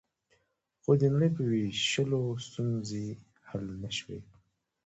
خو د نړۍ په وېشلو ستونزې حل نه شوې